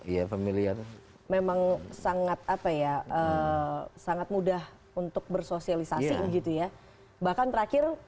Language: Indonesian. iya familiar memang sangat apa ya sangat mudah untuk bersosialisasi gitu ya bahkan terakhir